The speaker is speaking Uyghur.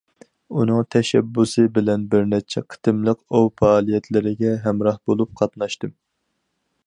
ئۇنىڭ تەشەببۇسى بىلەن بىرنەچچە قېتىملىق ئوۋ پائالىيەتلىرىگە ھەمراھ بولۇپ قاتناشتىم.